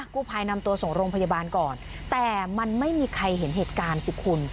กู้ภัยนำตัวส่งโรงพยาบาลก่อนแต่มันไม่มีใครเห็นเหตุการณ์สิคุณ